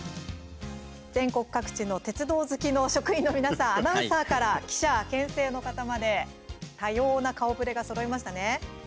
全国各地の鉄道好きの職員の皆さん、アナウンサーから記者編成の方まで多様な顔ぶれがそろいましたね。